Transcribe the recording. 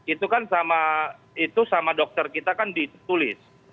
itu kan sama dokter kita kan ditulis